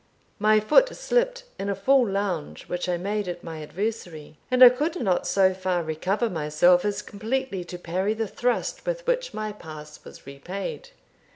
My foot slipped in a full lounge which I made at my adversary, and I could not so far recover myself as completely to parry the thrust with which my pass was repaid.